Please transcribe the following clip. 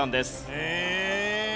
へえ！